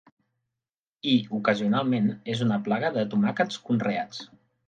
I ocasionalment és una plaga de tomàquets conreats.